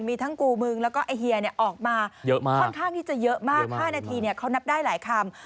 มีทั้งกูมึงแล้วก็ไอ้เฮียออกมาเยอะมากค่อนข้างที่จะเยอะมาก๕นาทีเขานับได้หลายคำ